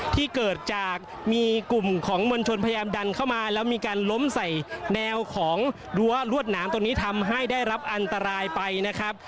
ที่เกิดจากมีกลุ่มของมวลชนพยายามดันเข้ามาแล้วมีการล้มใส่แนวของรั้วรวดหนามตรงนี้ทำให้ได้รับอันตรายไปนะครับ